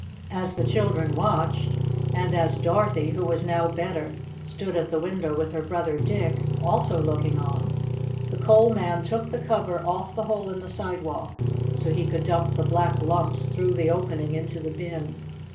As the children watched, and as Dorothy, who was now better, stood at the window with her brother Dick, also looking on, the coal man took the cover off the hole in the sidewalk, so he could dump the black lumps through the opening into the bin.